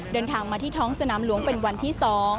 เดินทางมาที่ท้องสนามหลวงเป็นวันที่๒